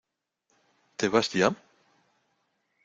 ¿ te vas ya?